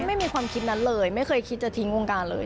ไม่มีความคิดนั้นเลยไม่เคยคิดจะทิ้งวงการเลย